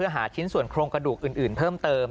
หาชิ้นส่วนโครงกระดูกอื่นเพิ่มเติม